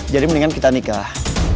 jadi mendingan kita nikah